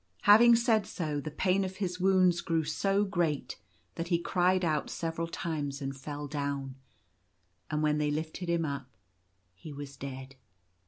Having said so, the pain of his wounds grew so great that he cried out several times and fell down ; and when they lifted him up he was dead.